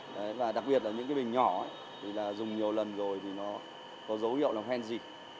đấy và đặc biệt là những cái bình nhỏ thì là dùng nhiều lần rồi thì nó có dấu hiệu là hoen gì